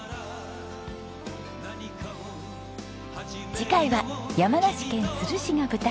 次回は山梨県都留市が舞台。